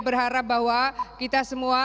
berharap bahwa kita semua